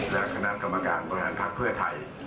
และคณะกรรมการบริหารภัครภัยไทย